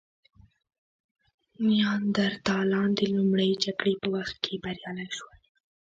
نیاندرتالان د لومړۍ جګړې په وخت کې بریالي شول.